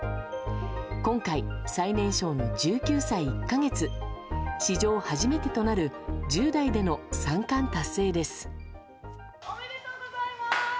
今回、最年少の１９歳１か月史上初めてとなる１０代での三冠達成です。